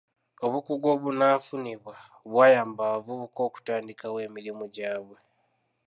Obukugu obwafunibwa bwayamba abavubuka okutandikawo emirimu gyabwe.